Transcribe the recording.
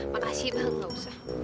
makasih bang gak usah